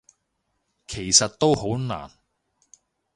其實都好難